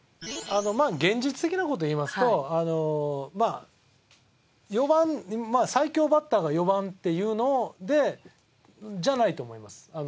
まあ現実的な事言いますと４番最強バッターが４番っていうのでじゃないと思います。